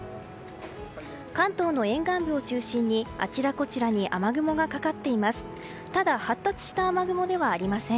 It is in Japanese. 関東の沿岸部を中心にあちらこちらに雨雲がかかっています。